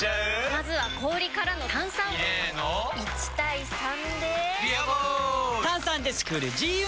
まずは氷からの炭酸！入れの１：３で「ビアボール」！